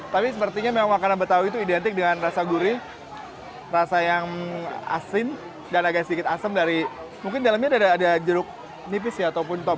tapi sepertinya memang makanan betawi itu identik dengan rasa gurih rasa yang asin dan agak sedikit asem dari mungkin dalamnya ada jeruk nipis ya ataupun top